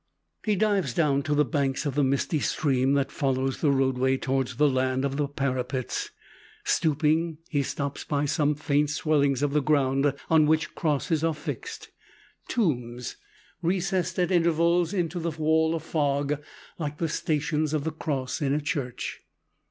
He dives down to the banks of the misty stream that follows the roadway towards the land of parapets. Stooping, he stops by some faint swellings of the ground on which crosses are fixed tombs, recessed at intervals into the wall of fog, like the Stations of the Cross in a church.